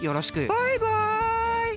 バイバイ！